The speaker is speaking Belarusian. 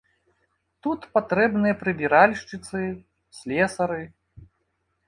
Тут патрэбныя прыбіральшчыцы, слесары.